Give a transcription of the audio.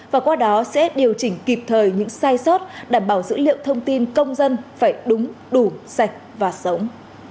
và qua đó sẽ điều chỉnh kịp thời những sai sót đảm bảo dữ liệu thông tin công dân phải đúng đủ sạch và sống